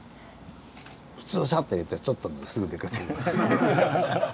普通サッといれてちょっと飲んですぐ出かける。